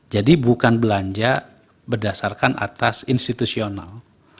jadi bukan belanja berdasarkan atas institusional